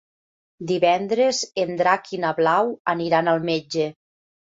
Divendres en Drac i na Blau aniran al metge.